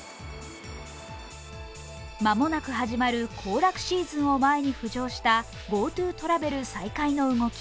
間もなく始まる行楽シーズンを前に浮上したＧｏＴｏトラベル再開の動き